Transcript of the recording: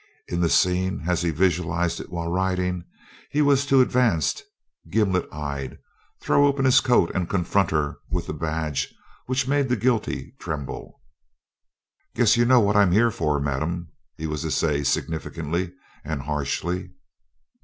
In the scene, as he visualized it while riding, he was to advance gimlet eyed, throw open his coat and confront her with the badge which made the guilty tremble. "Guess you know what I'm here for, Madam," he was to say significantly and harshly.